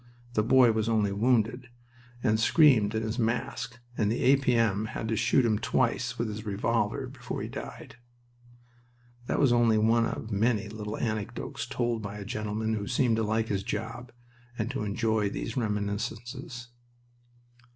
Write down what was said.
The boy was only wounded, and screamed in his mask, and the A.P.M. had to shoot him twice with his revolver before he died. That was only one of many little anecdotes told by a gentleman who seemed to like his job and to enjoy these reminiscences.